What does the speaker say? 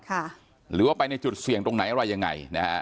หรือว่าไปในจุดเสี่ยงตรงไหนอะไรยังไงนะฮะ